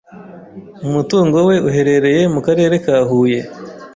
umutungo we uherereye mu Karere ka Huye